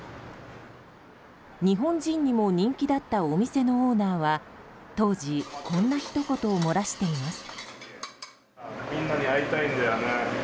日本人にも人気だったお店のオーナーは当時、こんなひと言を漏らしています。